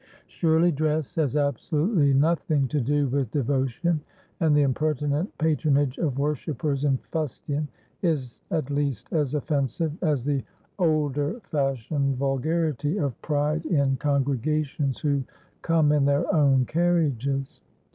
Surely, dress has absolutely nothing to do with devotion. And the impertinent patronage of worshippers in "fustian" is at least as offensive as the older fashioned vulgarity of pride in congregations who "come in their own carriages."